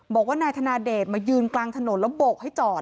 บอกว่านายธนาเดชมายืนกลางถนนแล้วโบกให้จอด